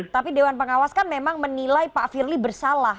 tapi dewan pengawas kan memang menilai pak firly bersalah